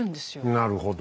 なるほど。